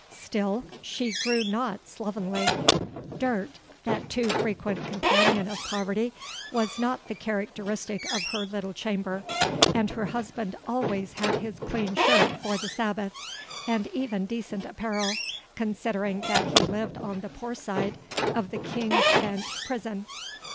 Still she grew not, slovenly: dirt—that too frequent companion of poverty—was not the characteristic of her little chamber; and her husband always had his clean shirt for the Sabbath, and even decent apparel, considering that he lived on the Poor Side of the King's Bench Prison!